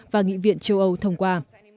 và nghị viện châu âu thông qua